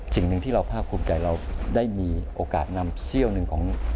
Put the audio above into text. สิ่งหนึ่งที่เราภาคภูมิใจเราได้มีโอกาสนำเสี้ยวหนึ่งของ